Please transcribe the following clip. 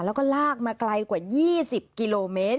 แล้วก็ลากมาไกลกว่า๒๐กิโลเมตร